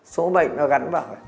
số mệnh nó gắn vào